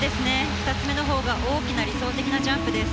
２つ目の方が大きな理想的なジャンプです。